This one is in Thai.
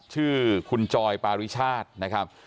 ชื่อคุณจอยปาริชาตินะครับ